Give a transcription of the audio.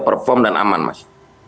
perform dan aman mas